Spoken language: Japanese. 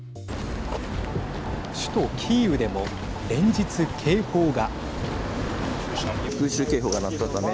首都キーウでも連日、警報が。